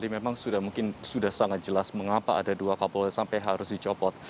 memang sudah mungkin sudah sangat jelas mengapa ada dua kapolos sampai harus dicopot